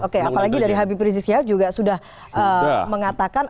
oke apalagi dari habib rizieq sihak juga sudah mengatakan